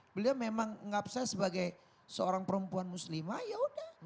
beliau memang nggak bisa sebagai seorang perempuan muslimah ya udah